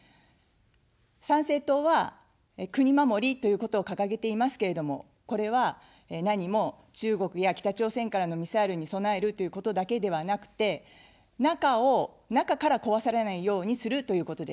参政党は、国まもりということを掲げていますけれども、これは何も中国や北朝鮮からのミサイルに備えるということだけではなくて、中を、中から壊されないようにするということです。